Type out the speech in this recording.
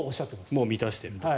もう満たしていると。